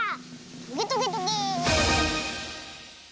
トゲトゲトゲ。